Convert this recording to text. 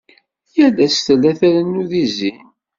Yal ass tella trennu deg zzin.